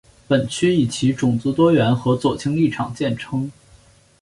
本区以其种族多元和左倾立场见称。